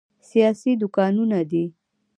سیاسي دوکانونه دي.